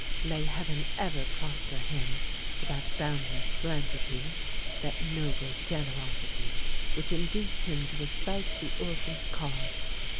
May heaven ever prosper him for that boundless philanthropy—that noble generosity which induced him to espouse the orphan's cause!